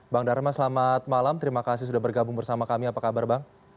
bang dharma selamat malam terima kasih sudah bergabung bersama kami apa kabar bang